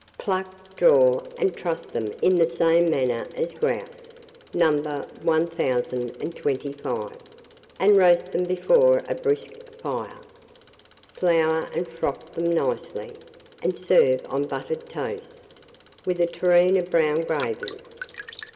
Pluck, draw, and truss them in the same manner as grouse, No. 1025, and roast them before a brisk fire. Flour and froth them nicely, and serve on buttered toast, with a tureen of brown gravy.